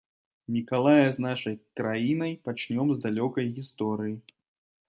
Мікалая з нашай краінай пачнём з далёкай гісторыі.